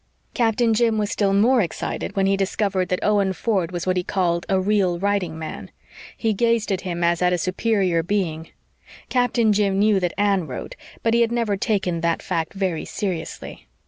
Captain Jim was still more excited when he discovered that Owen Ford was what he called a "real writing man." He gazed at him as at a superior being. Captain Jim knew that Anne wrote, but he had never taken that fact very seriously.